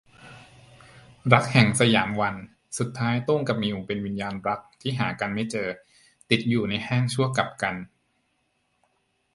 รักแห่งสยามวัน - สุดท้ายโต้งกับมิวเป็นวิญญาณรักที่หากันไม่เจอ ติดอยู่ในห้างชั่วกัปกัลป์